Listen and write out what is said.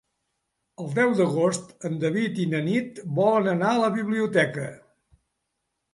El deu d'agost en David i na Nit volen anar a la biblioteca.